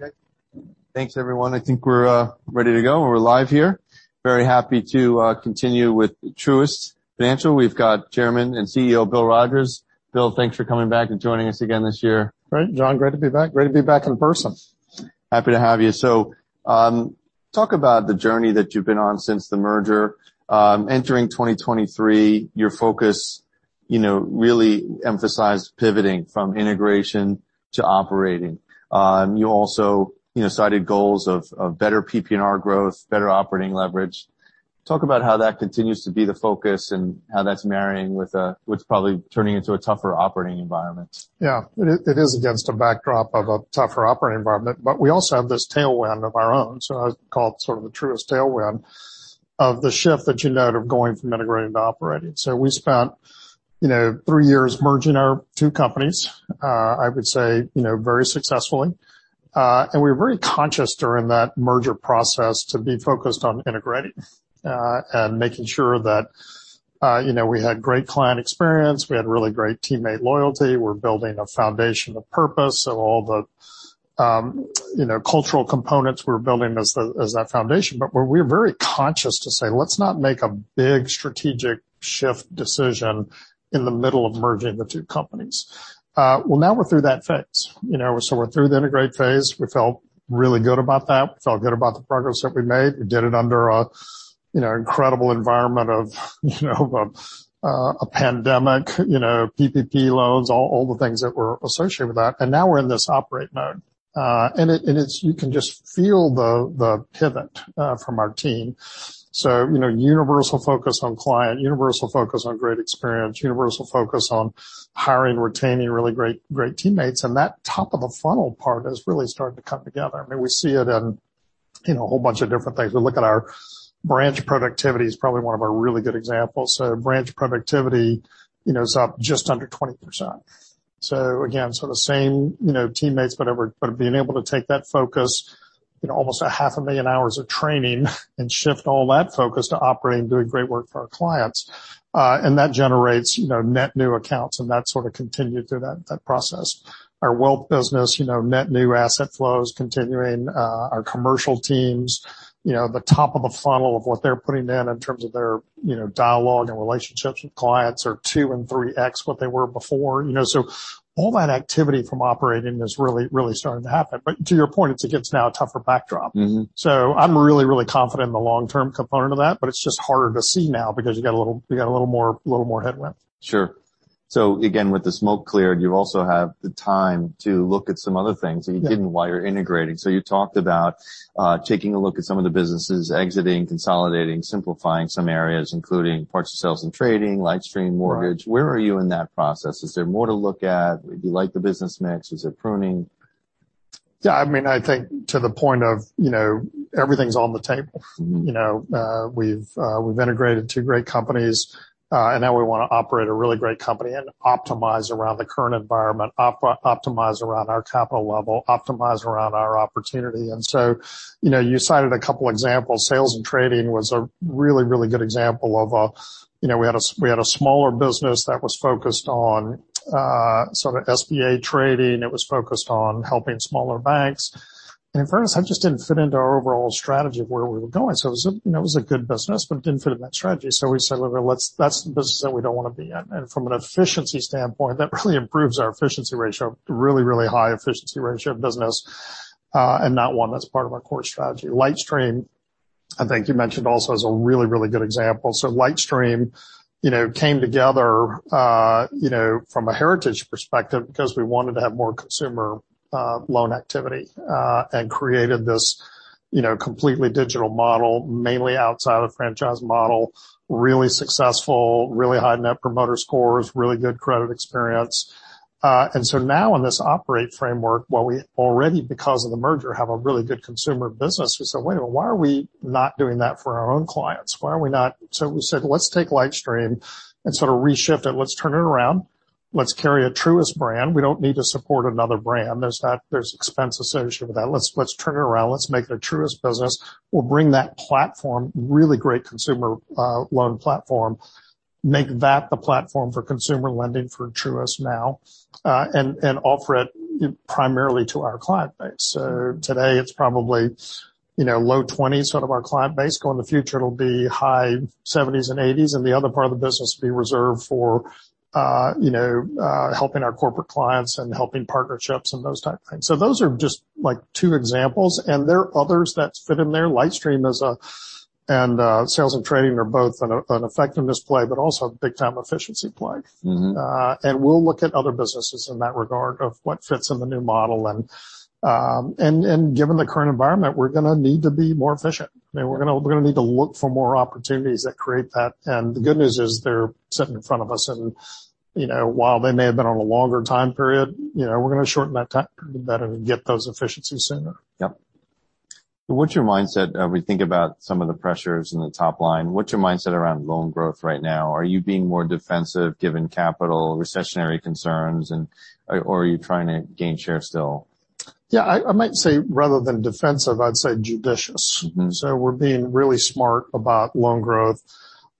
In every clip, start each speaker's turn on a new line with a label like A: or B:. A: Okay. Thanks, everyone. I think we're ready to go. We're live here. Very happy to continue with Truist Financial. We've got Chairman and CEO, Bill Rogers. Bill, thanks for coming back and joining us again this year.
B: Great, John, great to be back. Great to be back in person.
A: Happy to have you. Talk about the journey that you've been on since the merger. Entering 2023, your focus, you know, really emphasized pivoting from integration to operating. You also, you know, cited goals of better PPNR growth, better operating leverage. Talk about how that continues to be the focus and how that's marrying with what's probably turning into a tougher operating environment.
B: Yeah. It is against a backdrop of a tougher operating environment, but we also have this tailwind of our own. I call it sort of the Truist tailwind, of the shift that you note of going from integrating to operating. We spent, you know, three years merging our two companies. I would say, you know, very successfully. We were very conscious during that merger process to be focused on integrating and making sure that, you know, we had great client experience, we had really great teammate loyalty. We're building a foundation of purpose. All the, you know, cultural components we're building as that foundation. We're very conscious to say, "Let's not make a big strategic shift decision in the middle of merging the two companies." Well, now we're through that phase. You know, so we're through the integrate phase. We felt really good about that. We felt good about the progress that we made. We did it under a, you know, incredible environment of, you know, a pandemic, you know, PPP loans, all the things that were associated with that. Now we're in this operate mode. You can just feel the pivot from our team. You know, universal focus on client, universal focus on great experience, universal focus on hiring, retaining really great teammates, and that top of the funnel part is really starting to come together. I mean, we see it in, you know, a whole bunch of different things. We look at our branch productivity is probably one of our really good examples. Branch productivity, you know, is up just under 20%. Again, so the same, you know, teammates, whatever, but being able to take that focus, you know, almost a half a million hours of training, and shift all that focus to operating, doing great work for our clients. And that generates, you know, net new accounts, and that sort of continued through that process. Our wealth business, you know, net new asset flows continuing. Our commercial teams, you know, the top of the funnel of what they're putting in terms of their, you know, dialogue and relationships with clients are 2x and 3x what they were before, you know. All that activity from operating is really starting to happen. To your point, it's against now a tougher backdrop.
A: Mm-hmm.
B: I'm really, really confident in the long-term component of that, but it's just harder to see now because you got a little more headwind.
A: Sure. Again, with the smoke cleared, you also have the time to look at some other things-
B: Yeah
A: that you didn't while you're integrating. You talked about, taking a look at some of the businesses, exiting, consolidating, simplifying some areas, including parts of sales and trading, LightStream mortgage.
B: Right.
A: Where are you in that process? Is there more to look at? Do you like the business mix? Is it pruning?
B: I mean, I think to the point of, you know, everything's on the table. You know, we've integrated two great companies, and now we wanna operate a really great company and optimize around the current environment, optimize around our capital level, optimize around our opportunity. You know, you cited a couple examples. Sales and trading was a really, really good example. You know, we had a, we had a smaller business that was focused on sort of SBA trading. It was focused on helping smaller banks. At first, that just didn't fit into our overall strategy of where we were going. It was a, you know, it was a good business, but it didn't fit in that strategy. We said, "Well, that's the business that we don't wanna be in." From an efficiency standpoint, that really improves our efficiency ratio. Really high efficiency ratio of business, and not one that's part of our core strategy. LightStream, I think you mentioned also, is a really good example. LightStream, you know, came together, you know, from a heritage perspective because we wanted to have more consumer loan activity and created this, you know, completely digital model, mainly outside of the franchise model, really successful, really high Net Promoter Scores, really good credit experience. Now in this operate framework, while we already, because of the merger, have a really good consumer business, we said: Wait a minute, why are we not doing that for our own clients? We said, "Let's take LightStream and sort of reshift it. Let's turn it around. Let's carry a Truist brand. We don't need to support another brand. There's expense associated with that. Let's turn it around. Let's make the Truist business. We'll bring that platform, really great consumer loan platform, make that the platform for consumer lending for Truist now, and offer it primarily to our client base." Today it's probably, you know, low twenties, sort of our client base. Go in the future, it'll be high seventies and eighties, and the other part of the business will be reserved for, you know, helping our corporate clients and helping partnerships and those type of things. Those are just, like, 2 examples, and there are others that fit in there. LightStream and sales and trading are both an effectiveness play, but also a big time efficiency play.
A: Mm-hmm.
B: We'll look at other businesses in that regard of what fits in the new model. Given the current environment, we're gonna need to be more efficient. I mean, we're gonna need to look for more opportunities that create that. The good news is, they're sitting in front of us and, you know, while they may have been on a longer time period, you know, we're gonna shorten that time, better to get those efficiencies sooner.
A: Yep. What's your mindset when we think about some of the pressures in the top line? What's your mindset around loan growth right now? Are you being more defensive, given capital, recessionary concerns, or are you trying to gain share still?
B: Yeah, I might say rather than defensive, I'd say judicious. We're being really smart about loan growth.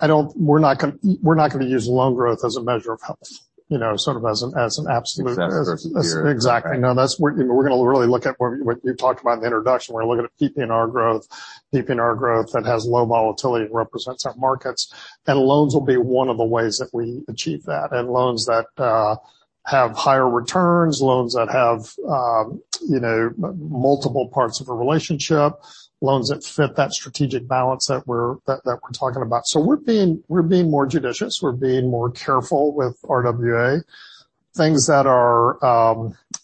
B: We're not gonna use loan growth as a measure of health, you know, sort of as an absolute.
A: Exactly.
B: Exactly. No, that's we're gonna really look at where, what you talked about in the introduction. We're looking at keeping our growth that has low volatility and represents our markets. loans will be one of the ways that we achieve that, and loans that have higher returns, loans that have, you know, multiple parts of a relationship, loans that fit that strategic balance that we're talking about. we're being more judicious. We're being more careful with RWA. Things that are,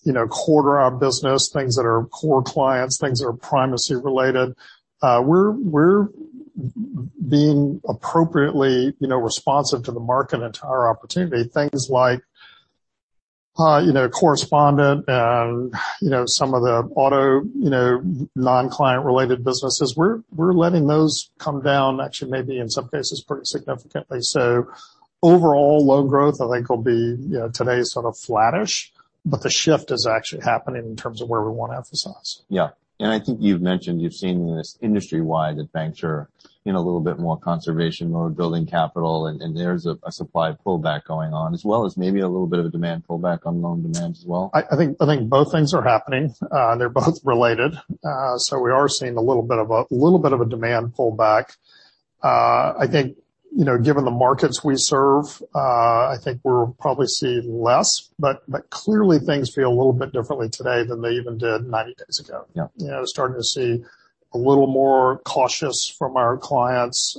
B: you know, core to our business, things that are core clients, things that are primacy related, we're being appropriately, you know, responsive to the market and to our opportunity. Things like, you know, correspondent and, you know, some of the auto, you know, non-client related businesses, we're letting those come down, actually, maybe in some cases, pretty significantly. Overall, loan growth, I think will be, you know, today is sort of flattish, but the shift is actually happening in terms of where we want to emphasize.
A: Yeah. I think you've mentioned you've seen this industry-wide, that banks are in a little bit more conservation mode, building capital, and there's a supply pullback going on, as well as maybe a little bit of a demand pullback on loan demands as well.
B: I think both things are happening, and they're both related. We are seeing a little bit of a demand pullback. I think, you know, given the markets we serve, I think we're probably seeing less. Clearly, things feel a little bit differently today than they even did 90 days ago.
A: Yeah.
B: You know, starting to see a little more cautious from our clients.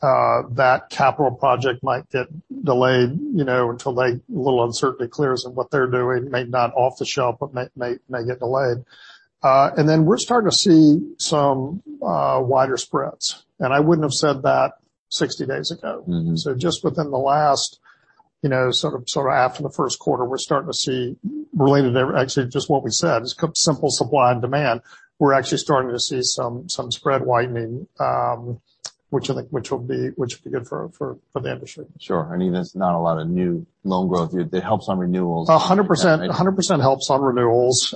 B: That capital project might get delayed, you know, until a little uncertainty clears on what they're doing. Maybe not off the shelf, but may get delayed. Then we're starting to see some wider spreads. I wouldn't have said that 60 days ago.
A: Mm-hmm.
B: just within the last, you know, sort of after the first quarter, we're starting to see related to, actually, just what we said, it's simple supply and demand. We're actually starting to see some spread widening, which I think, which will be good for the industry.
A: Sure. I mean, there's not a lot of new loan growth. It helps on renewals.
B: 100%. 100% helps on renewals.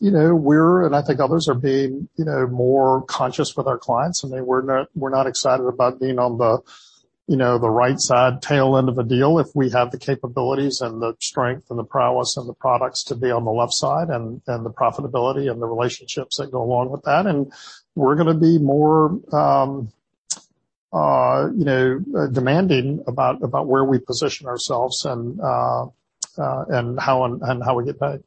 B: you know, we're, I think others are being, you know, more conscious with our clients, and they we're not excited about being on the, you know, the right side tail end of a deal if we have the capabilities and the strength and the prowess and the products to be on the left side, and the profitability and the relationships that go along with that. we're gonna be more, you know, demanding about where we position ourselves and how we get paid.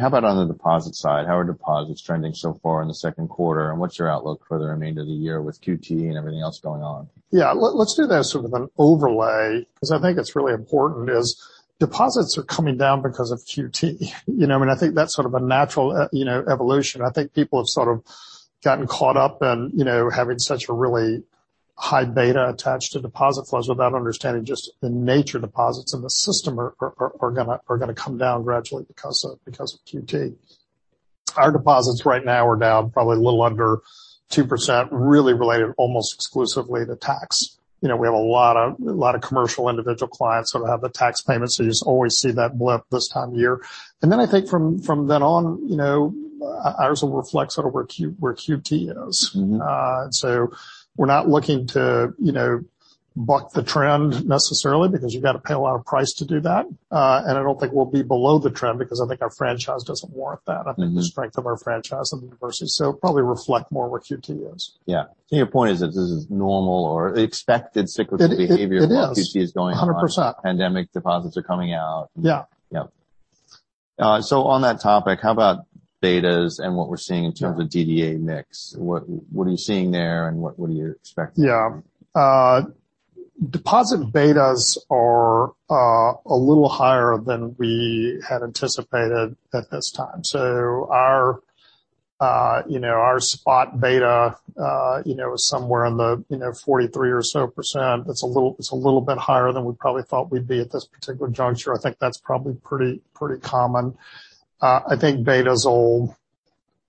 A: How about on the deposit side? How are deposits trending so far in the second quarter, and what's your outlook for the remainder of the year with QT and everything else going on?
B: Yeah, let's do that sort of an overlay, because I think it's really important, is deposits are coming down because of QT. You know what I mean? I think that's sort of a natural you know, evolution. I think people have sort of gotten caught up in, you know, having such a really high beta attached to deposit flows without understanding just the nature of deposits in the system are gonna come down gradually because of, because of QT. Our deposits right now are down probably a little under 2%, really related almost exclusively to tax. You know, we have a lot of, a lot of commercial individual clients who have the tax payment, so you just always see that blip this time of year. Then I think from then on, you know, ours will reflect sort of where QT is.
A: Mm-hmm.
B: We're not looking to, you know, buck the trend necessarily, because you've got to pay a lot of price to do that. I don't think we'll be below the trend because I think our franchise doesn't warrant that.
A: Mm-hmm.
B: I think the strength of our franchise and diversity, so it'll probably reflect more where QT is.
A: Yeah. I think your point is that this is normal or expected cyclical behavior-
B: It is.
A: QT is going on.
B: 100%.
A: Pandemic deposits are coming out.
B: Yeah.
A: Yeah. On that topic, how about betas and what we're seeing in terms of DDA mix? What are you seeing there, and what are you expecting?
B: Deposit betas are a little higher than we had anticipated at this time. Our, you know, our spot beta, you know, is somewhere in the, you know, 43% or so. It's a little bit higher than we probably thought we'd be at this particular juncture. That's probably pretty common. Betas will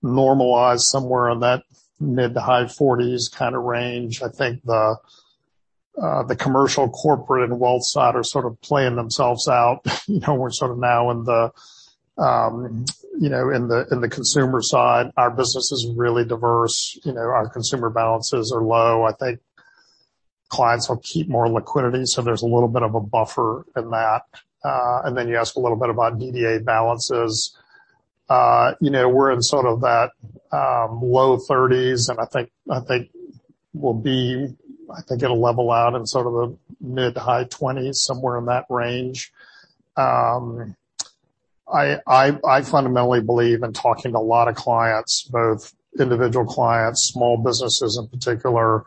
B: normalize somewhere in that mid to high 40s kind of range. The, the commercial, corporate, and wealth side are sort of playing themselves out. You know, we're sort of now in the, you know, in the, in the consumer side, our business is really diverse. You know, our consumer balances are low. Clients will keep more liquidity, so there's a little bit of a buffer in that. Then you ask a little bit about DDA balances. You know, we're in sort of that low 30s, and I think it'll level out in sort of the mid-to-high 20s, somewhere in that range. I fundamentally believe in talking to a lot of clients, both individual clients, small businesses in particular,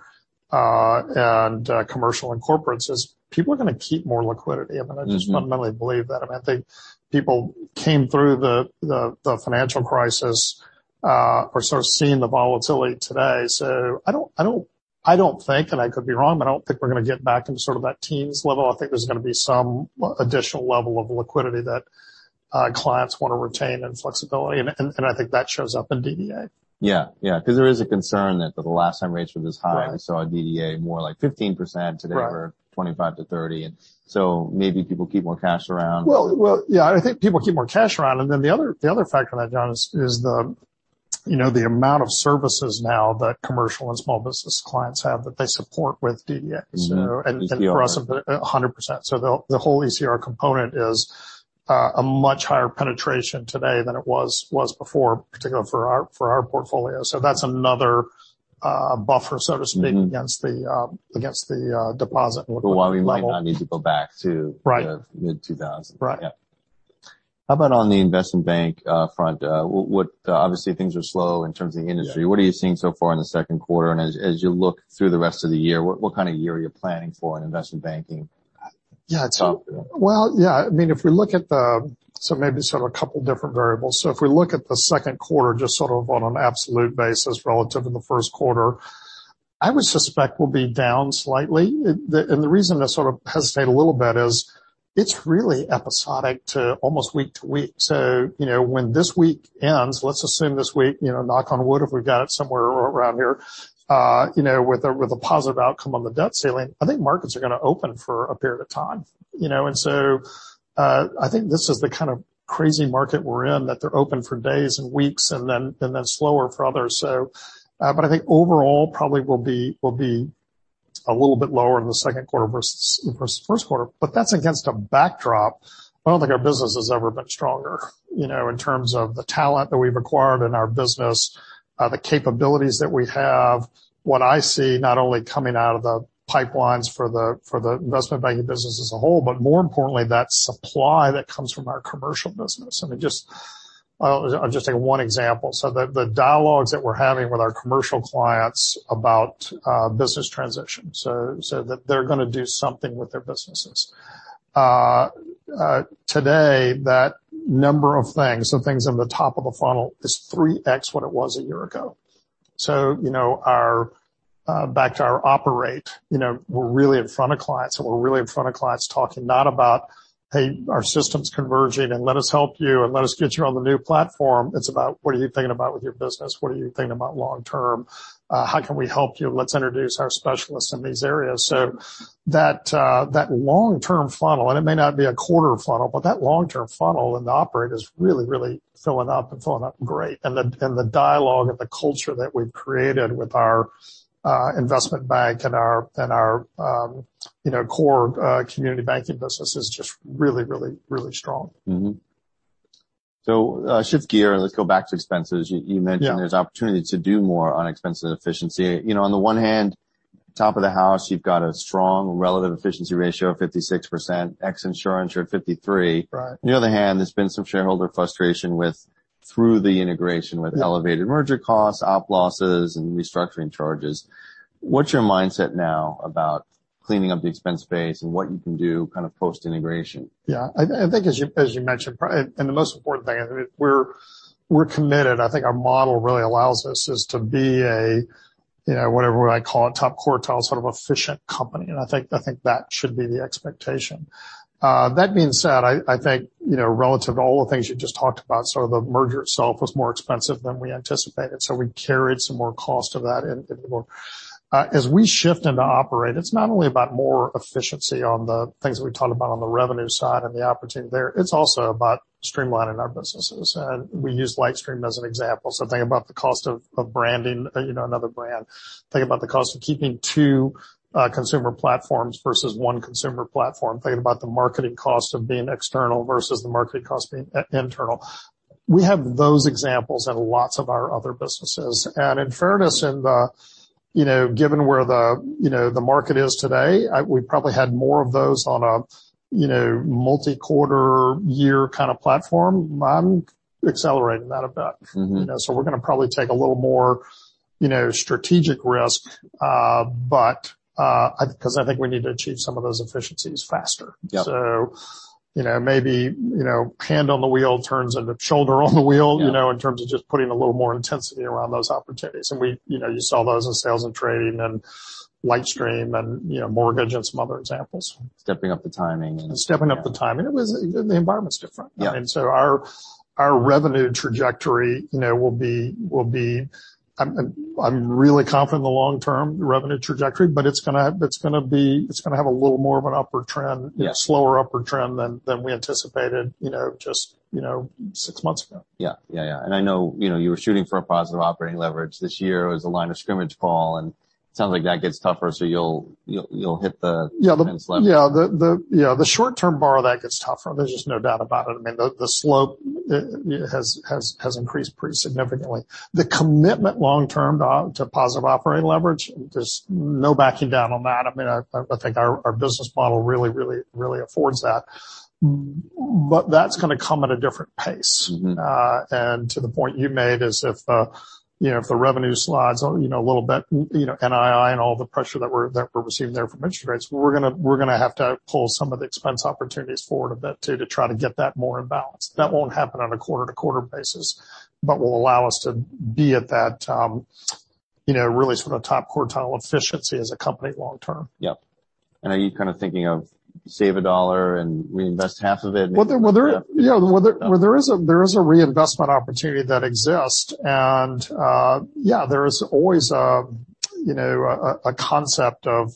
B: and commercial and corporates, is people are gonna keep more liquidity.
A: Mm-hmm.
B: I just fundamentally believe that. I mean, I think people came through the financial crisis, or sort of seeing the volatility today. I don't think, and I could be wrong, but I don't think we're gonna get back into sort of that teens level. I think there's gonna be some additional level of liquidity that clients want to retain and flexibility, and I think that shows up in DDA.
A: Yeah, yeah, because there is a concern that for the last time rates were this high...
B: Right.
A: I saw a DDA more like 15%.
B: Right.
A: Today, we're 25-30, maybe people keep more cash around.
B: Well, yeah, I think people keep more cash around, and then the other factor that, John, you know, the amount of services now that commercial and small business clients have that they support with DDA, you know, and for us, 100%. The whole ECR component is a much higher penetration today than it was before, particularly for our portfolio. That's another buffer, so to speak, against the deposit level.
A: Well, we might not need to go back.
B: Right.
A: the mid-twos.
B: Right.
A: Yeah. How about on the investment bank front? What, obviously, things are slow in terms of the industry. What are you seeing so far in the second quarter? As you look through the rest of the year, what kind of year are you planning for in investment banking?
B: Yeah. Well, yeah, I mean, if we look at two different variables. If we look at the second quarter, just sort of on an absolute basis, relative to the first quarter, I would suspect we'll be down slightly. The reason I sort of hesitate a little bit is it's really episodic to almost week to week. When this week ends, let's assume this week, you know, knock on wood, if we've got it somewhere around here, you know, with a positive outcome on the debt ceiling, I think markets are going to open for a period of time, you know? I think this is the kind of crazy market we're in, that they're open for days and weeks, and then slower for others. I think overall, probably will be a little bit lower in the second quarter versus the first quarter. That's against a backdrop. I don't think our business has ever been stronger, you know, in terms of the talent that we've acquired in our business, the capabilities that we have. What I see not only coming out of the pipelines for the investment banking business as a whole, but more importantly, that supply that comes from our commercial business. I mean, just, I'll just take one example. The dialogues that we're having with our commercial clients about business transitions, so that they're gonna do something with their businesses. Today, that number of things, the things on the top of the funnel is 3x what it was a year ago. You know, our back to our operate, you know, we're really in front of clients, and we're really in front of clients talking not about, "Hey, our system's converging, and let us help you, and let us get you on the new platform." It's about what are you thinking about with your business? What are you thinking about long term? How can we help you? Let's introduce our specialists in these areas. That long-term funnel, and it may not be a quarter funnel, but that long-term funnel and the operate is really, really filling up and filling up great. The dialogue and the culture that we've created with our investment bank and our, you know, core community banking business is just really, really, really strong.
A: Mm-hmm. Shift gear, let's go back to expenses.
B: Yeah.
A: You mentioned there's opportunity to do more on expense and efficiency. You know, on the one hand, top of the house, you've got a strong relative efficiency ratio of 56%, ex insurance, you're at 53%.
B: Right.
A: On the other hand, there's been some shareholder frustration through the integration.
B: Yeah
A: with elevated merger costs, op losses, and restructuring charges. What's your mindset now about cleaning up the expense base and what you can do kind of post-integration?
B: Yeah, I think as you mentioned, and the most important thing, I mean, we're committed. I think our model really allows us is to be a, you know, whatever I call it, top quartile, sort of efficient company, and I think that should be the expectation. That being said, I think, you know, relative to all the things you just talked about, sort of the merger itself was more expensive than we anticipated, so we carried some more cost of that in it more. As we shift into operate, it's not only about more efficiency on the things that we talked about on the revenue side and the opportunity there, it's also about streamlining our businesses. We use LightStream as an example. Think about the cost of branding, you know, another brand. Think about the cost of keeping two consumer platforms versus one consumer platform. Think about the marketing cost of being external versus the marketing cost being internal. We have those examples in lots of our other businesses. In fairness, in the, you know, given where the, you know, the market is today, we've probably had more of those on a, you know, multi-quarter year kind of platform. I'm accelerating that a bit.
A: Mm-hmm.
B: You know, we're gonna probably take a little more, you know, strategic risk, but 'cause I think we need to achieve some of those efficiencies faster.
A: Yep.
B: You know, maybe, you know, hand on the wheel turns into shoulder on the wheel.
A: Yeah...
B: you know, in terms of just putting a little more intensity around those opportunities. We, you know, you saw those in sales and trading and LightStream and, you know, mortgage and some other examples.
A: Stepping up the timing and-.
B: Stepping up the timing. The environment's different.
A: Yeah.
B: I mean, so our revenue trajectory, you know, will be. I'm really confident in the long-term revenue trajectory, but it's gonna have a little more of an upward trend.
A: Yeah.
B: Slower upward trend than we anticipated, you know, just, you know, six months ago.
A: Yeah. Yeah, yeah. I know, you know, you were shooting for a positive operating leverage. This year was a line of scrimmage call, and it sounds like that gets tougher, so you'll hit the
B: Yeah.
A: next level.
B: Yeah, the short-term bar of that gets tougher. There's just no doubt about it. I mean, the slope has increased pretty significantly. The commitment long term to positive operating leverage, there's no backing down on that. I mean, I think our business model really affords that. That's gonna come at a different pace.
A: Mm-hmm.
B: To the point you made is if, you know, if the revenue slides, you know, a little bit, you know, NII and all the pressure that we're receiving there from interest rates, we're gonna have to pull some of the expense opportunities forward a bit too, to try to get that more in balance. That won't happen on a quarter-to-quarter basis, but will allow us to be at that, you know, really sort of top quartile efficiency as a company long term.
A: Yep. Are you kind of thinking of save $1 and reinvest half of it?
B: Well, there, yeah, well, there is a reinvestment opportunity that exists. Yeah, there is always, you know, a concept of,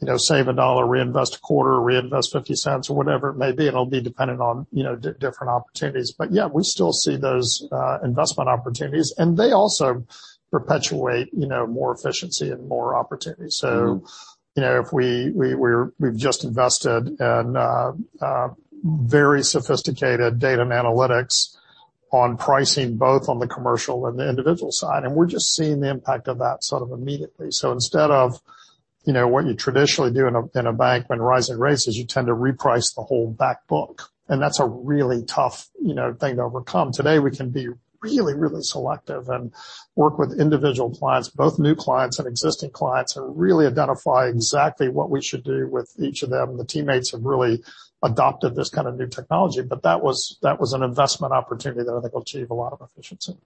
B: you know, save $1, reinvest a quarter, reinvest $0.50 or whatever it may be, it'll be dependent on, you know, different opportunities. Yeah, we still see those investment opportunities, and they also perpetuate, you know, more efficiency and more opportunities.
A: Mm-hmm.
B: You know, if we've just invested in very sophisticated data and analytics on pricing, both on the commercial and the individual side, and we're just seeing the impact of that sort of immediately. Instead of, you know, what you traditionally do in a bank when rising rates is you tend to reprice the whole back book, and that's a really tough, you know, thing to overcome. Today, we can be really, really selective and work with individual clients, both new clients and existing clients, and really identify exactly what we should do with each of them. The teammates have really adopted this kind of new technology, that was an investment opportunity that I think will achieve a lot of efficiency.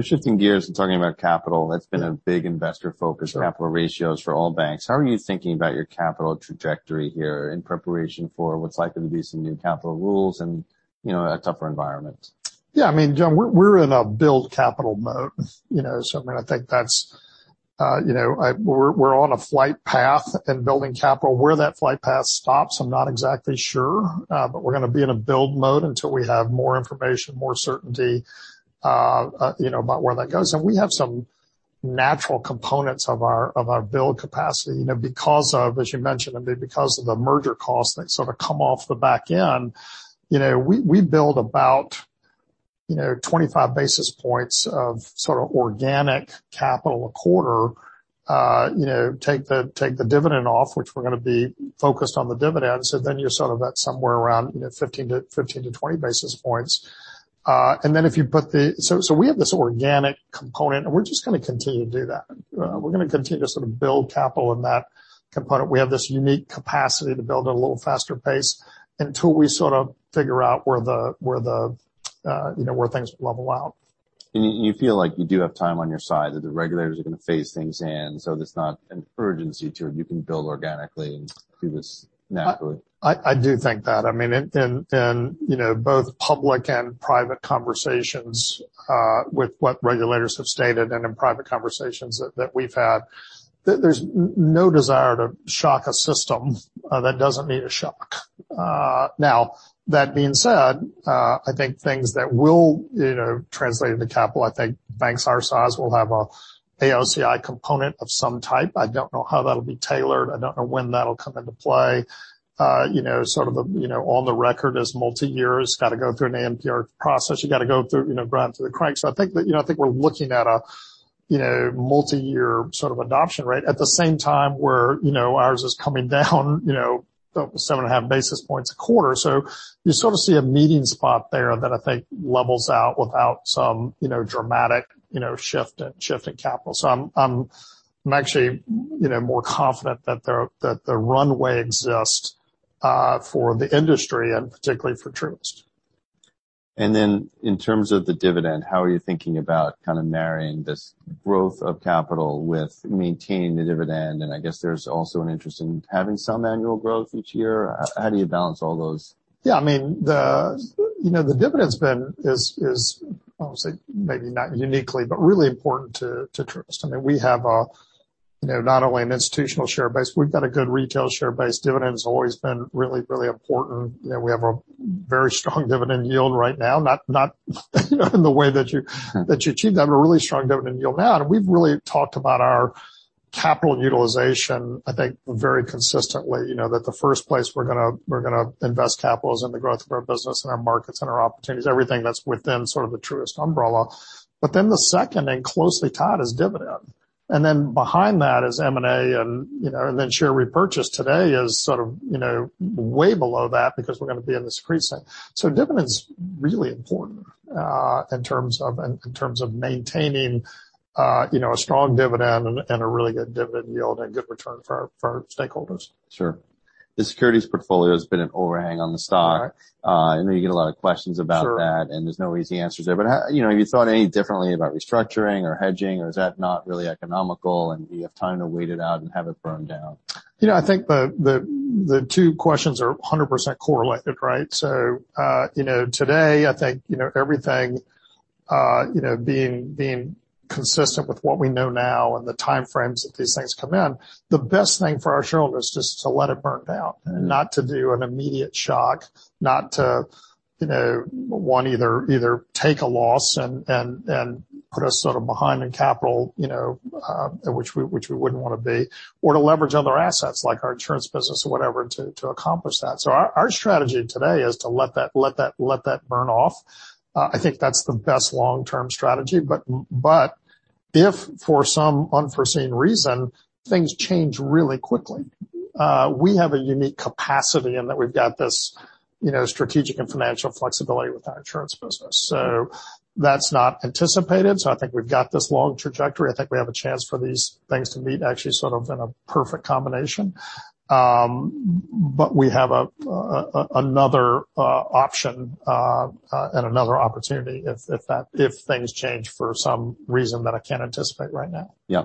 A: shifting gears and talking about capital, that's been a big investor focus.
B: Sure.
A: -capital ratios for all banks. How are you thinking about your capital trajectory here in preparation for what's likely to be some new capital rules and, you know, a tougher environment?
B: Yeah, I mean, John, we're in a build capital mode, you know? I mean, I think that's, you know, we're on a flight path in building capital. Where that flight path stops, I'm not exactly sure, but we're gonna be in a build mode until we have more information, more certainty, you know, about where that goes. We have some natural components of our build capacity, you know, because of, as you mentioned, I mean, because of the merger costs that sort of come off the back end. You know, we build about, you know, 25 basis points of sort of organic capital a quarter. You know, take the dividend off, which we're gonna be focused on the dividends, and then you're sort of at somewhere around, you know, 15-20 basis points. If you put so we have this organic component, we're just gonna continue to do that. We're gonna continue to sort of build capital in that component. We have this unique capacity to build at a little faster pace until we sort of figure out where the, you know, where things level out.
A: You feel like you do have time on your side, that the regulators are gonna phase things in, so there's not an urgency to it. You can build organically and do this naturally.
B: I do think that. I mean, you know, both public and private conversations, with what regulators have stated and in private conversations that we've had, there's no desire to shock a system, that doesn't need a shock. Now, that being said, I think things that will, you know, translate into capital, I think banks our size will have a AOCI component of some type. I don't know how that'll be tailored. I don't know when that'll come into play. You know, sort of the, you know, on the record is multiyear. It's got to go through an ANPR process. You've got to go through, you know, grind through the crank. I think that, you know, I think we're looking at a, you know, multiyear sort of adoption rate. At the same time, we're, you know, ours is coming down, you know, 7.5 basis points a quarter. You sort of see a meeting spot there that I think levels out without some, you know, dramatic, you know, shift in capital. I'm actually, you know, more confident that the runway exists for the industry and particularly for Truist.
A: In terms of the dividend, how are you thinking about kind of marrying this growth of capital with maintaining the dividend? I guess there's also an interest in having some annual growth each year. How do you balance all those?
B: Yeah, I mean, the, you know, the dividend's been, is, I would say, maybe not uniquely, but really important to Truist. I mean, we have a, you know, not only an institutional share base, we've got a good retail share base. Dividend's always been really, really important. You know, we have a very strong dividend yield right now, not, you know, in the way that.
A: Sure.
B: that you achieve that, but a really strong dividend yield now. We've really talked about our capital utilization, I think, very consistently. You know, that the first place we're gonna, we're gonna invest capital is in the growth of our business and our markets and our opportunities, everything that's within sort of the Truist umbrella. The second, and closely tied, is dividend. Behind that is M&A, and, you know, then share repurchase today is sort of, you know, way below that because we're gonna be in this pre-sale. Dividend's really important, in terms of maintaining, you know, a strong dividend and a really good dividend yield and good return for our stakeholders.
A: Sure. The securities portfolio has been an overhang on the stock.
B: Right.
A: I know you get a lot of questions about that.
B: Sure.
A: There's no easy answers there. You know, have you thought any differently about restructuring or hedging, or is that not really economical, and do you have time to wait it out and have it burn down?
B: You know, I think the two questions are 100% correlated, right? You know, today, I think, you know, everything, you know, being consistent with what we know now and the time frames that these things come in, the best thing for our shareholders is to let it burn down-
A: Mm-hmm.
B: not to do an immediate shock, not to, you know, one, either take a loss and put us sort of behind in capital, you know, which we wouldn't wanna be, or to leverage other assets, like our insurance business or whatever, to accomplish that. Our strategy today is to let that burn off. I think that's the best long-term strategy. If for some unforeseen reason, things change really quickly, we have a unique capacity in that we've got this, you know, strategic and financial flexibility with our insurance business. That's not anticipated, so I think we've got this long trajectory. I think we have a chance for these things to meet actually sort of in a perfect combination. We have a another option and another opportunity if things change for some reason that I can't anticipate right now.
A: Yeah.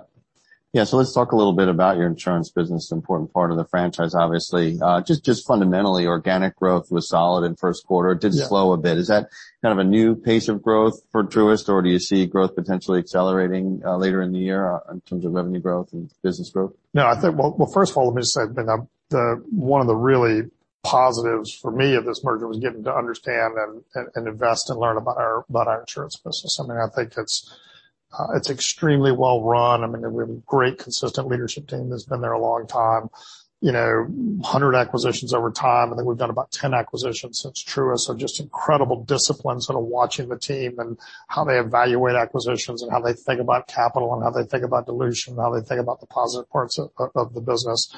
A: Let's talk a little bit about your insurance business, important part of the franchise, obviously. Just fundamentally, organic growth was solid in first quarter.
B: Yeah.
A: It did slow a bit. Is that kind of a new pace of growth for Truist, or do you see growth potentially accelerating later in the year in terms of revenue growth and business growth?
B: No, Well, first of all, let me just say, the one of the really positives for me of this merger was getting to understand and invest and learn about our insurance business. I mean, I think it's extremely well run. I mean, a really great, consistent leadership team that's been there a long time. You know, 100 acquisitions over time. I think we've done about 10 acquisitions since Truist. Just incredible discipline sort of watching the team and how they evaluate acquisitions and how they think about capital and how they think about dilution, and how they think about the positive parts of the business.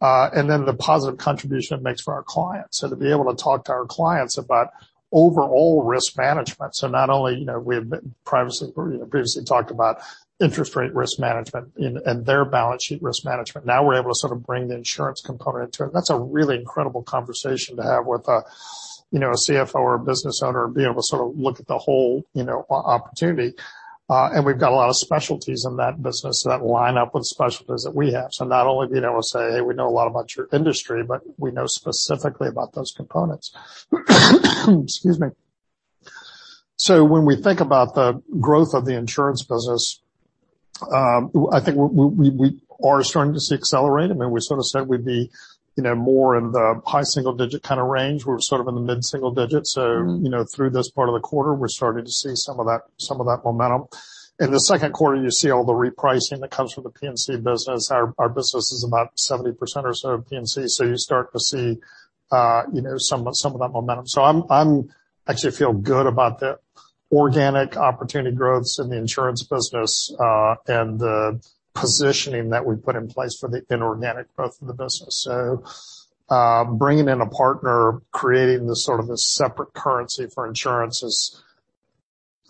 B: The positive contribution it makes for our clients. To be able to talk to our clients about overall risk management, so not only, you know, we have been previously talked about interest rate risk management and their balance sheet risk management. Now, we're able to sort of bring the insurance component into it. That's a really incredible conversation to have with a, you know, a CFO or a business owner, be able to sort of look at the whole, you know, opportunity. And we've got a lot of specialties in that business that line up with specialties that we have. Not only being able to say, "Hey, we know a lot about your industry, but we know specifically about those components." Excuse me. When we think about the growth of the insurance business, I think we are starting to see accelerate. I mean, we sort of said we'd be, you know, more in the high single digit kind of range. We're sort of in the mid-single digits.
A: Mm-hmm.
B: You know, through this part of the quarter, we're starting to see some of that momentum. In the second quarter, you see all the repricing that comes from the P&C business. Our business is about 70% or so of P&C, so you start to see, you know, some of that momentum. I actually feel good about the organic opportunity growths in the insurance business, and the positioning that we put in place for the inorganic growth of the business. Bringing in a partner, creating this sort of a separate currency for insurance is,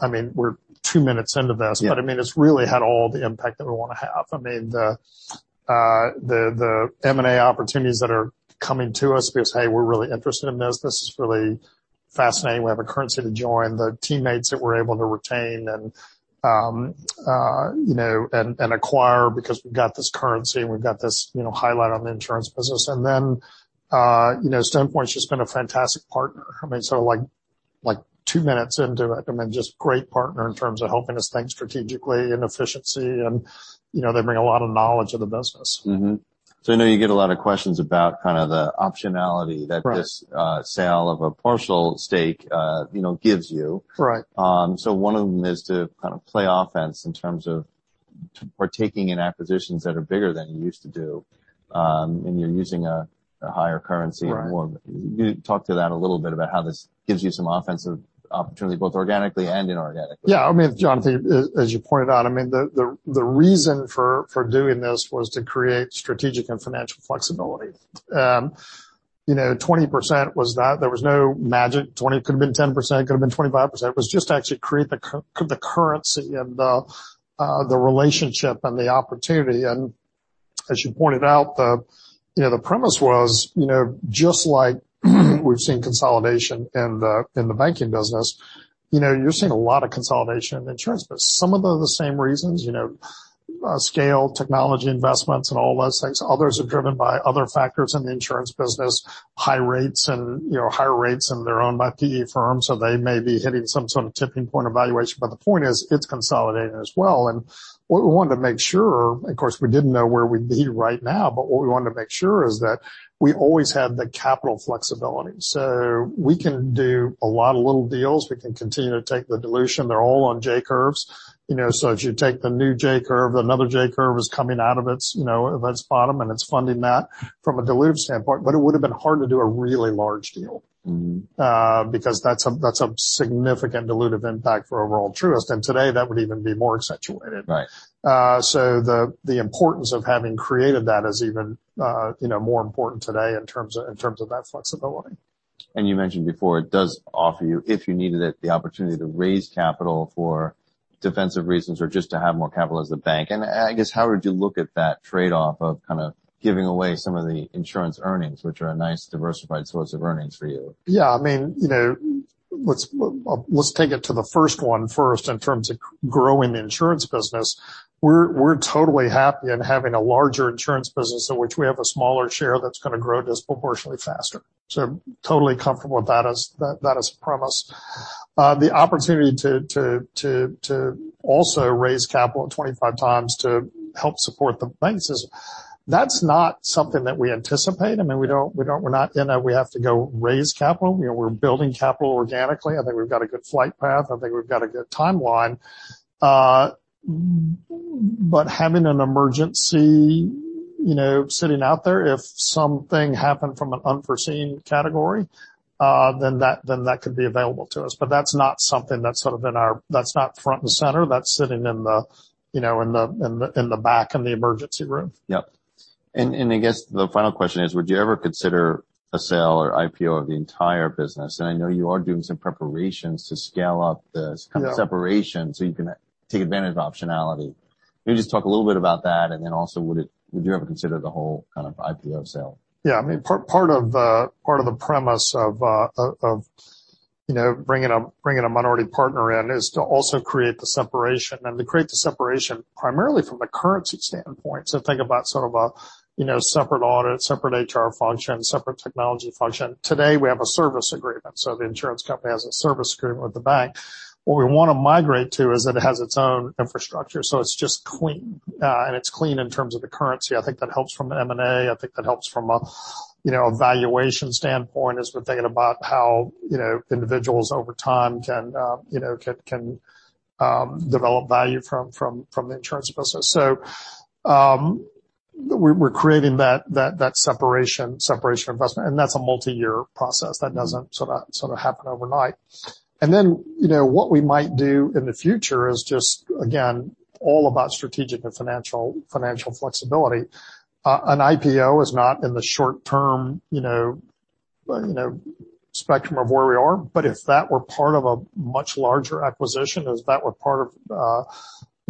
B: I mean, we're two minutes into this.
A: Yeah.
B: I mean, it's really had all the impact that we want to have. I mean, the M&A opportunities that are coming to us because, hey, we're really interested in this. This is really fascinating. We have a currency to join. The teammates that we're able to retain and, you know, and acquire because we've got this currency, and we've got this, you know, highlight on the insurance business. You know, Stone Point's just been a fantastic partner. I mean, so, like, two minutes into it, I mean, just great partner in terms of helping us think strategically and efficiency, and, you know, they bring a lot of knowledge to the business.
A: Mm-hmm. I know you get a lot of questions about kind of the optionality-.
B: Right...
A: that this, sale of a partial stake, you know, gives you.
B: Correct.
A: One of them is to kind of play offense in terms of partaking in acquisitions that are bigger than you used to do, and you're using a higher currency and more.
B: Right.
A: Can you talk to that a little bit about how this gives you some offensive opportunity, both organically and inorganically?
B: Yeah. I mean, Jonathan, as you pointed out, I mean, the reason for doing this was to create strategic and financial flexibility. You know, 20% was that. There was no magic 20. It could have been 10%, could have been 25%. It was just to actually create the currency and the relationship and the opportunity. As you pointed out, you know, the premise was, you know, just like we've seen consolidation in the banking business, you know, you're seeing a lot of consolidation in the insurance business. Some of them, the same reasons, you know, scale, technology investments and all those things. Others are driven by other factors in the insurance business, high rates and, you know, higher rates and they're owned by PE firms, so they may be hitting some sort of tipping point evaluation. The point is, it's consolidating as well. What we wanted to make sure, of course, we didn't know where we'd be right now, but what we wanted to make sure is that we always had the capital flexibility. We can do a lot of little deals. We can continue to take the dilution. They're all on J-curves, you know, so as you take the new J-curve, another J-curve is coming out of its, you know, of its bottom, and it's funding that from a dilutive standpoint, but it would've been hard to do a really large deal.
A: Mm-hmm.
B: Because that's a significant dilutive impact for overall Truist, and today, that would even be more accentuated.
A: Right.
B: The importance of having created that is even, you know, more important today in terms of that flexibility.
A: You mentioned before, it does offer you, if you needed it, the opportunity to raise capital for defensive reasons or just to have more capital as a bank. I guess, how would you look at that trade-off of kind of giving away some of the insurance earnings, which are a nice diversified source of earnings for you?
B: Yeah, I mean, you know, well, let's take it to the first one first in terms of growing the insurance business. We're totally happy in having a larger insurance business in which we have a smaller share that's gonna grow disproportionately faster. Totally comfortable with that as that as a premise. The opportunity to also raise capital at 25x to help support the banks is, that's not something that we anticipate. I mean, we don't, we're not in a, we have to go raise capital. You know, we're building capital organically. I think we've got a good flight path. I think we've got a good timeline. Having an emergency, you know, sitting out there, if something happened from an unforeseen category, then that could be available to us. That's not front and center. That's sitting in the, you know, in the back, in the emergency room.
A: Yep. I guess the final question is, would you ever consider a sale or IPO of the entire business? I know you are doing some preparations to scale up.
B: Yeah
A: kind of separation so you can take advantage of optionality. Can you just talk a little bit about that, and then also, would you ever consider the whole kind of IPO sale?
B: Yeah. I mean, part of the premise of, you know, bringing a minority partner in is to also create the separation, and to create the separation primarily from a currency standpoint. Think about sort of a, you know, separate audit, separate HR function, separate technology function. Today, we have a service agreement, so the insurance company has a service agreement with the bank. What we want to migrate to is that it has its own infrastructure, so it's just clean, and it's clean in terms of the currency. I think that helps from an M&A. I think that helps from a, you know, a valuation standpoint, as we're thinking about how, you know, individuals over time can, you know, can develop value from the insurance business. We're creating that separation of investment, and that's a multi-year process. That doesn't sort of happen overnight. You know, what we might do in the future is just, again, all about strategic and financial flexibility. An IPO is not in the short term, you know, spectrum of where we are, but if that were part of a much larger acquisition, if that were part of,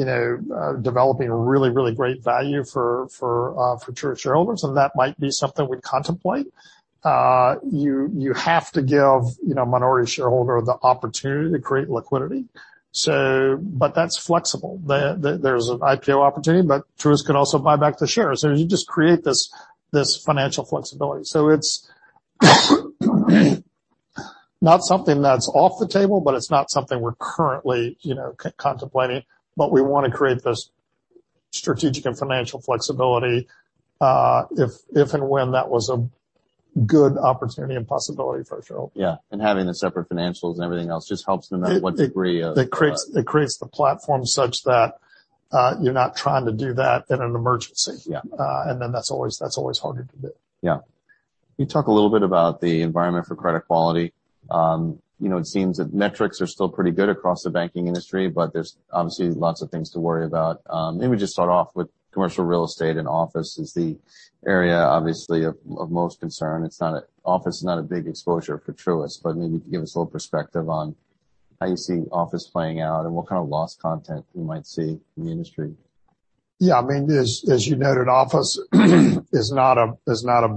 B: you know, developing a really great value for Truist shareholders, then that might be something we'd contemplate. You have to give, you know, minority shareholder the opportunity to create liquidity. But that's flexible. There's an IPO opportunity, but Truist could also buy back the shares. You just create this financial flexibility. It's not something that's off the table, but it's not something we're currently, you know, contemplating. We want to create this strategic and financial flexibility, if and when that was a good opportunity and possibility for our shareholders.
A: Yeah, having the separate financials and everything else just helps to know what degree of.
B: It creates the platform such that you're not trying to do that in an emergency.
A: Yeah.
B: That's always harder to do.
A: Can you talk a little bit about the environment for credit quality? you know, it seems that metrics are still pretty good across the banking industry, but there's obviously lots of things to worry about. Maybe just start off with commercial real estate, and office is the area, obviously, of most concern. Office is not a big exposure for Truist, but maybe give us a little perspective on how you see office playing out and what kind of loss content you might see in the industry.
B: Yeah, I mean, as you noted, office is not a, is not a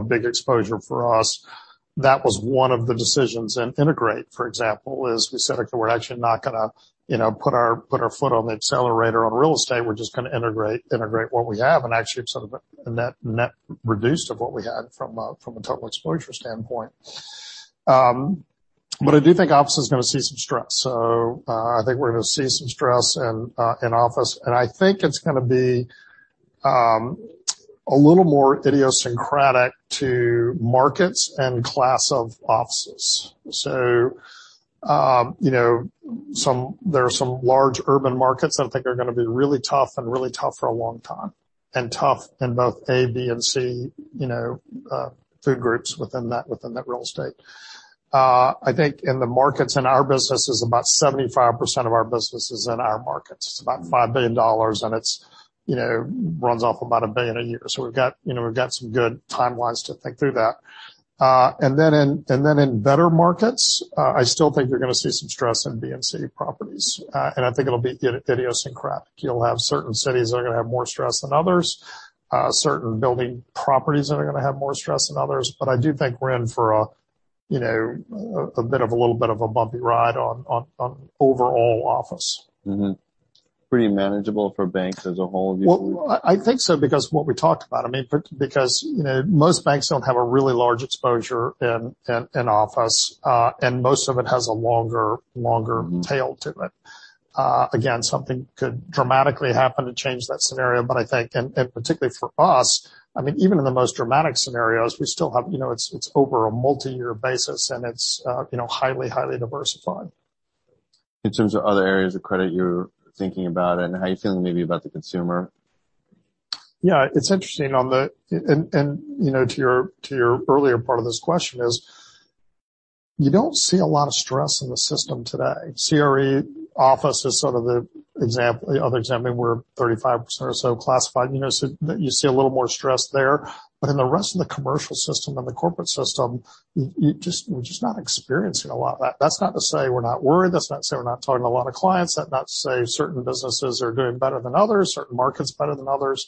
B: big exposure for us. That was one of the decisions in integrate, for example, is we said, okay, we're actually not gonna, you know, put our, put our foot on the accelerator on real estate. We're just gonna integrate what we have, and actually sort of a net reduce of what we had from a total exposure standpoint. I do think office is gonna see some stress. I think we're gonna see some stress in office, and I think it's gonna be a little more idiosyncratic to markets and class of offices. You know, there are some large urban markets that I think are gonna be really tough and really tough for a long time, and tough in both A, B and C, you know, food groups within that, within that real estate. I think in the markets, in our business is about 75% of our business is in our markets. It's about $5 billion, and it's, you know, runs off about $1 billion a year. We've got, you know, we've got some good timelines to think through that. And then in better markets, I still think you're gonna see some stress in B and C properties. And I think it'll be idiosyncratic. You'll have certain cities that are gonna have more stress than others, certain building properties that are gonna have more stress than others. I do think we're in for a, you know, a bit of a little bit of a bumpy ride on overall office.
A: Pretty manageable for banks as a whole, do you think?
B: Well, I think so, because what we talked about, I mean, but because, you know, most banks don't have a really large exposure in office, and most of it has a longer tail to it. Again, something could dramatically happen to change that scenario, but I think, and particularly for us, I mean, even in the most dramatic scenarios, we still have, you know, it's over a multi-year basis, and it's, you know, highly diversified.
A: In terms of other areas of credit you're thinking about and how are you feeling maybe about the consumer?
B: It's interesting on the... you know, to your earlier part of this question is, you don't see a lot of stress in the system today. CRE office is sort of the example, the other example, where 35% or so classified, you know, so you see a little more stress there. In the rest of the commercial system and the corporate system, we're just not experiencing a lot of that. That's not to say we're not worried. That's not to say we're not talking to a lot of clients. That's not to say certain businesses are doing better than others, certain markets better than others.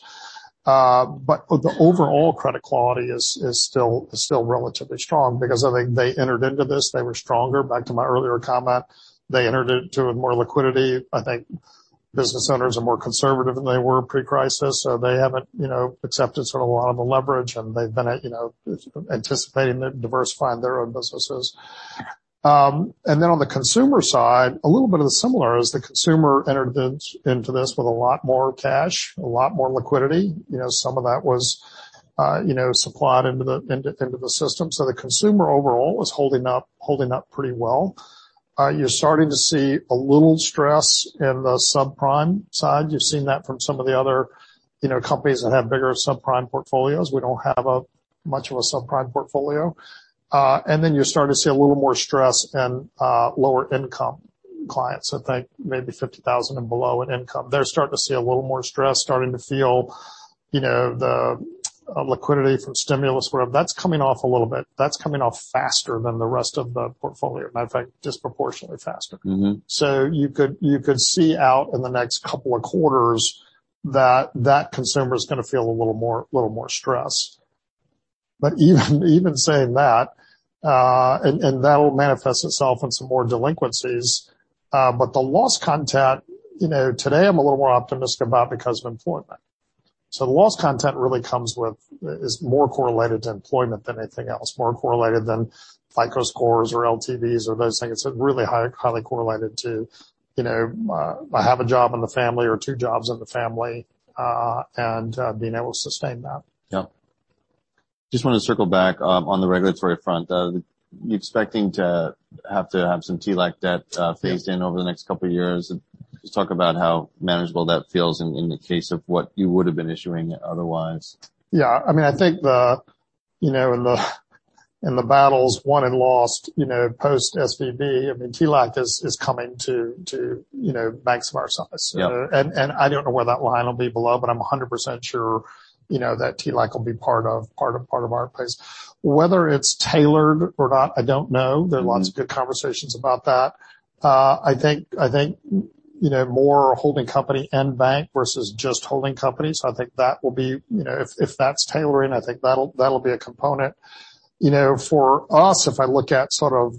B: The overall credit quality is still relatively strong because I think they entered into this, they were stronger, back to my earlier comment. They entered into it more liquidity. I think business owners are more conservative than they were pre-crisis, so they haven't, you know, accepted sort of a lot of the leverage, and they've been, you know, anticipating diversifying their own businesses. On the consumer side, a little bit of the similar is the consumer entered into this with a lot more cash, a lot more liquidity. You know, some of that was, you know, supplied into the system. The consumer overall is holding up pretty well. You're starting to see a little stress in the subprime side. You've seen that from some of the other, you know, companies that have bigger subprime portfolios. We don't have a much of a subprime portfolio. You're starting to see a little more stress in lower income clients. I think maybe $50,000 and below in income. They're starting to see a little more stress, starting to feel, you know, the liquidity from stimulus, whatever. That's coming off a little bit. That's coming off faster than the rest of the portfolio. Matter of fact, disproportionately faster.
A: Mm-hmm.
B: You could see out in the next couple of quarters that consumer is gonna feel a little more stress. Even saying that, and that'll manifest itself in some more delinquencies. The loss content, you know, today I'm a little more optimistic about because of employment. The loss content really comes with, is more correlated to employment than anything else, more correlated than FICO scores or LTVs or those things. It's really highly correlated to, you know, I have a job in the family or two jobs in the family, and being able to sustain that.
A: Yeah. Just wanna circle back, on the regulatory front. Are you expecting to have to have some TLAC debt, phased in over the next couple of years? Just talk about how manageable that feels in the case of what you would have been issuing otherwise.
B: I mean, I think the, you know, in the, in the battles won and lost, you know, post SVB, I mean, TLAC is coming to, you know, banks of our size.
A: Yeah.
B: I don't know where that line will be below, but I'm 100% sure, you know, that TLAC will be part of our place. Whether it's tailored or not, I don't know.
A: Mm-hmm.
B: There are lots of good conversations about that. I think, you know, more holding company and bank versus just holding companies, I think that will be. You know, if that's tailoring, I think that'll be a component. You know, for us, if I look at sort of,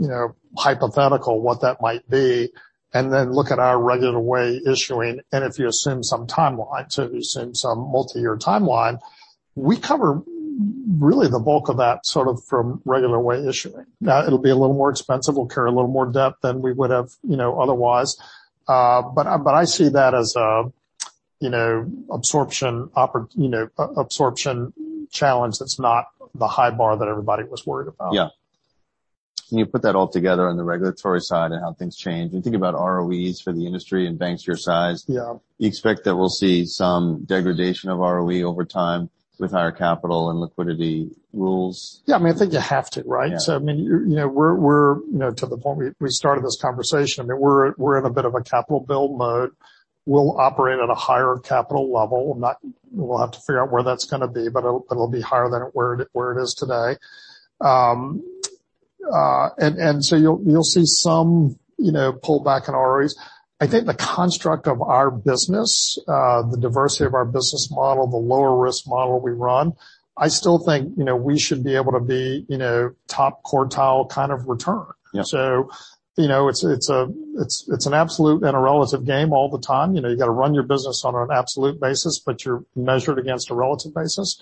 B: you know, hypothetical, what that might be, and then look at our regular way issuing, and if you assume some timeline, so if you assume some multi-year timeline, we cover really the bulk of that sort of from regular way issuing. It'll be a little more expensive. We'll carry a little more debt than we would have, you know, otherwise. But I see that as a, you know, absorption, you know, absorption challenge that's not the high bar that everybody was worried about.
A: Yeah. Can you put that all together on the regulatory side and how things change? Think about ROEs for the industry and banks your size.
B: Yeah.
A: Do you expect that we'll see some degradation of ROE over time with higher capital and liquidity rules?
B: Yeah, I mean, I think you have to, right?
A: Yeah.
B: I mean, you know, we're, you know, to the point we started this conversation, I mean, we're in a bit of a capital build mode. We'll operate at a higher capital level, we'll have to figure out where that's gonna be, but it'll be higher than where it is today. You'll see some, you know, pullback in ROEs. I think the construct of our business, the diversity of our business model, the lower risk model we run, I still think, you know, we should be able to be, you know, top quartile kind of return.
A: Yeah.
B: You know, it's a, it's an absolute and a relative game all the time. You know, you gotta run your business on an absolute basis, but you're measured against a relative basis.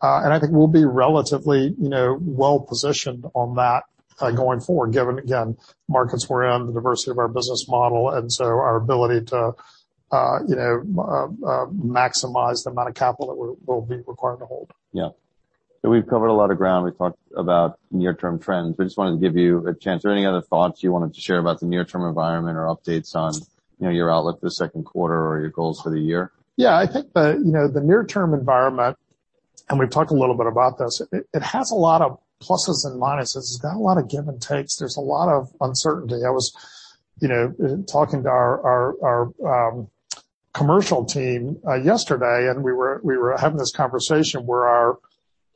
B: I think we'll be relatively, you know, well-positioned on that, going forward, given, again, markets we're in, the diversity of our business model, and so our ability to, you know, maximize the amount of capital that we'll be required to hold.
A: Yeah. We've covered a lot of ground. We've talked about near-term trends. We just wanted to give you a chance. Are there any other thoughts you wanted to share about the near-term environment or updates on, you know, your outlook for the second quarter or your goals for the year?
B: Yeah. I think the, you know, the near-term environment, we've talked a little bit about this, it has a lot of pluses and minuses. It's got a lot of give and takes. There's a lot of uncertainty. I was, you know, talking to our commercial team yesterday, and we were having this conversation where our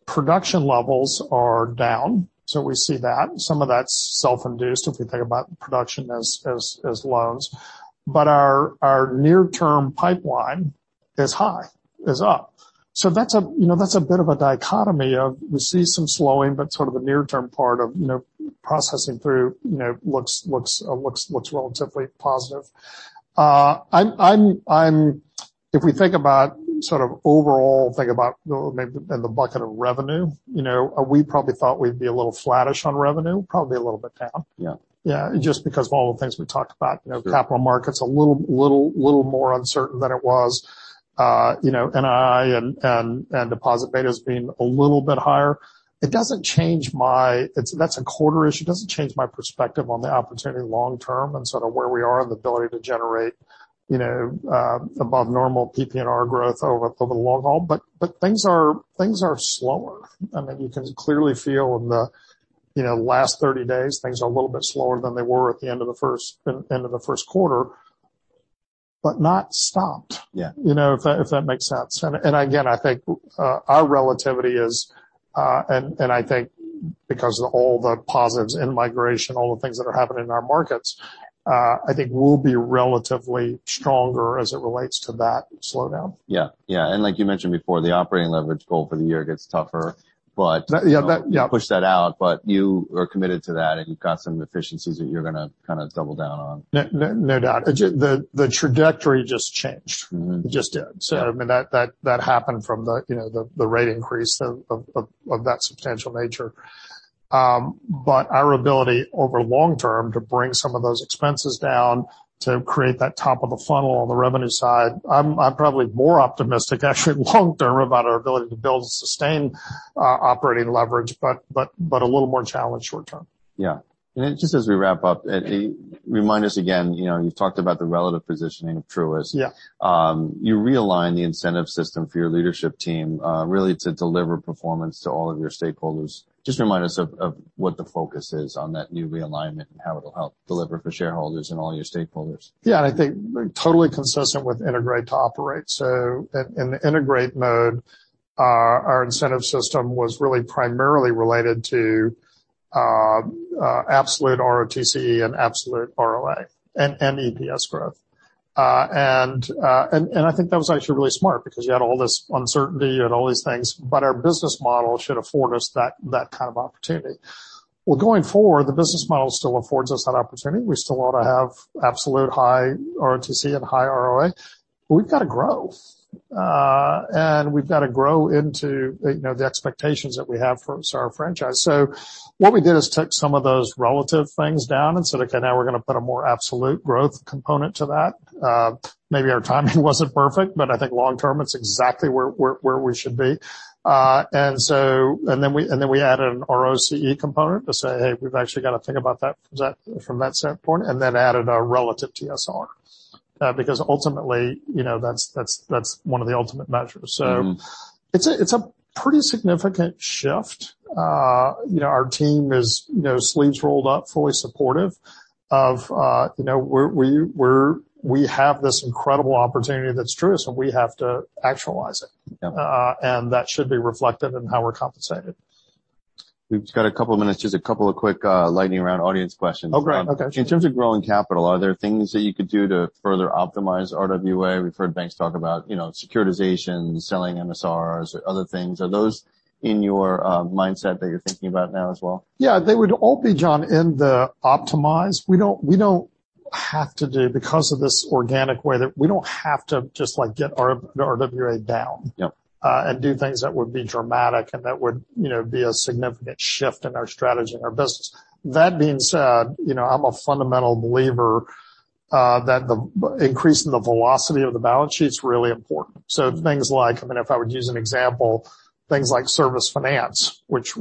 B: production levels are down. We see that. Some of that's self-induced, if we think about production as loans, but our near-term pipeline is up. That's a, you know, that's a bit of a dichotomy of we see some slowing, but sort of the near-term part of, you know, processing through, you know, looks relatively positive. If we think about sort of overall, think about the, maybe in the bucket of revenue, you know, we probably thought we'd be a little flattish on revenue, probably a little bit down.
A: Yeah.
B: Yeah, just because of all the things we talked about.
A: Sure.
B: You know, capital markets, a little more uncertain than it was. You know, NII and deposit betas being a little bit higher. That's a quarter issue. It doesn't change my perspective on the opportunity long term and sort of where we are and the ability to generate, you know, above normal PPNR growth over the long haul. Things are slower. I mean, you can clearly feel in the, you know, last 30 days, things are a little bit slower than they were at the end of the first quarter, but not stopped.
A: Yeah.
B: You know, if that, if that makes sense. again, I think, our relativity is. I think because of all the positives in migration, all the things that are happening in our markets, I think we'll be relatively stronger as it relates to that slowdown.
A: Yeah, like you mentioned before, the operating leverage goal for the year gets tougher.
B: Yeah, that, yeah.
A: You push that out, but you are committed to that, and you've got some efficiencies that you're gonna kinda double down on.
B: No, no doubt. The trajectory just changed.
A: Mm-hmm.
B: It just did.
A: Yeah.
B: I mean, that happened from you know, the rate increase of that substantial nature. Our ability over long term to bring some of those expenses down to create that top of the funnel on the revenue side, I'm probably more optimistic, actually, long term about our ability to build and sustain operating leverage, but a little more challenged short term.
A: Yeah. Just as we wrap up, remind us again, you know, you've talked about the relative positioning of Truist.
B: Yeah.
A: You realigned the incentive system for your leadership team, really to deliver performance to all of your stakeholders. Just remind us of what the focus is on that new realignment and how it'll help deliver for shareholders and all your stakeholders.
B: Yeah, I think we're totally consistent with integrate to operate. In, in the integrate mode, our incentive system was really primarily related to absolute ROTCEE and absolute ROA and EPS growth. I think that was actually really smart because you had all this uncertainty and all these things, but our business model should afford us that kind of opportunity. Well, going forward, the business model still affords us that opportunity. We still ought to have absolute high ROTCE and high ROA, but we've got to grow. We've got to grow into, you know, the expectations that we have from our franchise. What we did is took some of those relative things down and said, "Okay, now we're going to put a more absolute growth component to that." Maybe our timing wasn't perfect, but I think long term, it's exactly where we should be. Then we added an ROCE component to say, "Hey, we've actually got to think about that from that standpoint," and then added our relative TSR. Because ultimately, you know, that's one of the ultimate measures.
A: Mm-hmm.
B: It's a, it's a pretty significant shift. you know, our team is, you know, sleeves rolled up, fully supportive of, you know, we have this incredible opportunity that's Truist, we have to actualize it.
A: Yeah.
B: That should be reflected in how we're compensated.
A: We've got a couple of minutes, just a couple of quick, lightning round audience questions.
B: Oh, great. Okay.
A: In terms of growing capital, are there things that you could do to further optimize RWA? We've heard banks talk about, you know, securitizations, selling MSRs or other things. Are those in your mindset that you're thinking about now as well?
B: Yeah, they would all be, John, in the optimize. We don't have to do because of this organic way, that we don't have to just, like, get our RWA down-
A: Yep.
B: Do things that would be dramatic and that would, you know, be a significant shift in our strategy and our business. That being said, you know, I'm a fundamental believer that the increase in the velocity of the balance sheet is really important. Things like, I mean, if I would use an example, things like Service Finance, which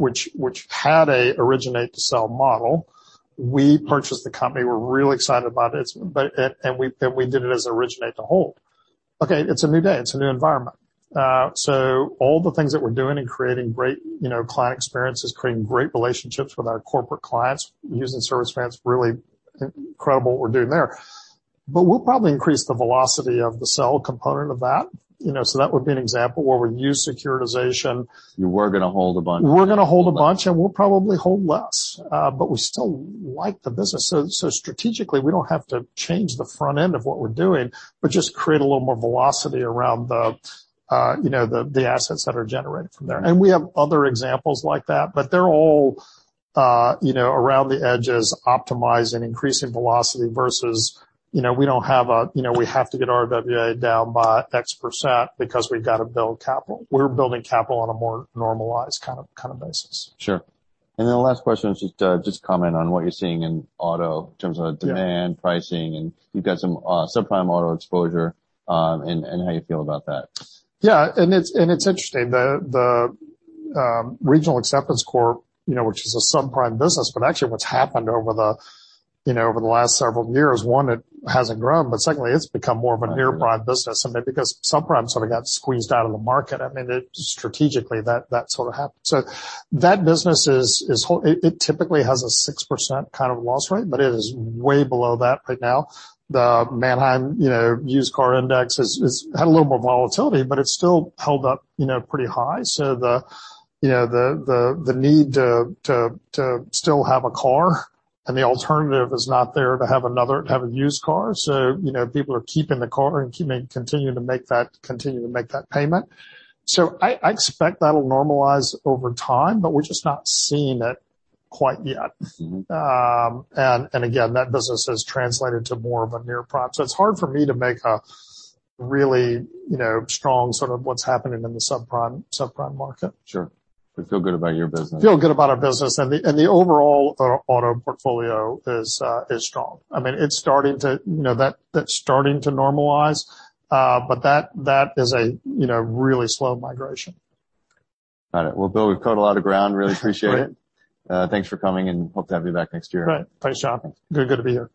B: had a originate to sell model. We purchased the company. We're really excited about it, but, and we did it as originate to hold. Okay, it's a new day. It's a new environment. All the things that we're doing in creating great, you know, client experiences, creating great relationships with our corporate clients, using Service Finance, really incredible what we're doing there. We'll probably increase the velocity of the sell component of that, you know, so that would be an example where we use securitization.
A: You were going to hold a bunch.
B: We're going to hold a bunch, and we'll probably hold less, but we still like the business. Strategically, we don't have to change the front end of what we're doing, but just create a little more velocity around the, you know, the assets that are generated from there. We have other examples like that, but they're all, you know, around the edges, optimizing, increasing velocity versus, you know, we don't have a, we have to get our RWA down by X% because we've got to build capital. We're building capital on a more normalized kind of basis.
A: Sure. The last question is just comment on what you're seeing in auto in terms of demand, pricing, and you've got some, subprime auto exposure, and how you feel about that.
B: Yeah, it's, and it's interesting. The Regional Acceptance Corporation, you know, which is a subprime business, but actually what's happened over the, you know, over the last several years, one, it hasn't grown, but secondly, it's become more of a near prime business. Because subprime sort of got squeezed out of the market, I mean, it strategically, that sort of happened. That business is, it typically has a 6% kind of loss rate, but it is way below that right now. The Manheim, you know, used car index is had a little more volatility, but it's still held up, you know, pretty high. The, you know, the need to still have a car and the alternative is not there to have a used car. You know, people are keeping the car and continuing to make that payment. I expect that'll normalize over time, but we're just not seeing it quite yet.
A: Mm-hmm.
B: Again, that business has translated to more of a near prime. It's hard for me to make a really, you know, strong sort of what's happening in the subprime market.
A: Sure. You feel good about your business?
B: Feel good about our business, and the overall auto portfolio is strong. I mean, it's starting to, you know, that's starting to normalize, but that is a, you know, really slow migration.
A: Got it. Well, Bill, we've covered a lot of ground. Really appreciate it.
B: Great.
A: Thanks for coming, and hope to have you back next year.
B: Right. Thanks, John. Good to be here.